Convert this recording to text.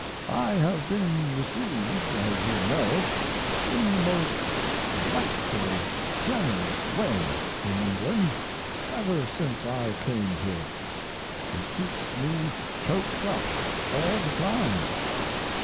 I have been received, as you know, in the most delightfully generous way in England ever since I came here. It keeps me choked up all the time.